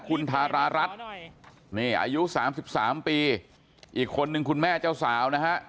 คุณทารารัฐนี่อายุ๓๓ปีอีกคนนึงคุณแม่เจ้าสาวนะฮะ